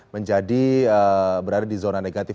menjadi berada di zona negatif